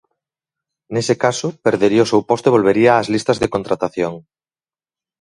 Nese caso, perdería o seu posto e volvería ás listas de contratación.